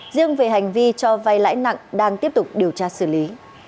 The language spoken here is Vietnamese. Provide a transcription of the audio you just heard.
riêng về hành vi cho vay lãi nặng đang tiếp tục điều tra xử lý